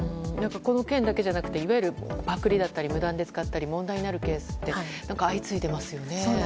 この件だけじゃなくていわゆるパクリだったり無断で使ったり問題になるケースって相次いでいますよね。